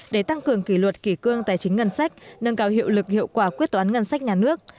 để tăng cường kỷ luật kỷ cương tài chính ngân sách nâng cao hiệu lực hiệu quả quyết toán ngân sách nhà nước